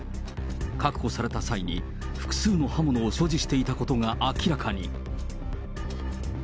確保された際に、複数の刃物を所持していたことが明らかに。